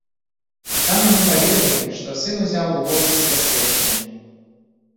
Там яму паведамілі, што сын узяў у воласці пасведчанне.